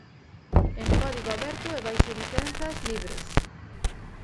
En código aberto e baixo licenzas libres.